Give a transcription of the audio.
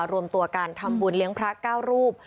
รวมตัวกันทำบุญเลี้ยงพระเก้ารูป